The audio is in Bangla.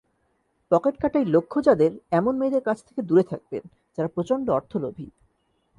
পকেট কাটাই লক্ষ্য যাদেরএমন মেয়েদের কাছ থেকে দূরে থাকবেন, যারা প্রচণ্ড অর্থলোভী।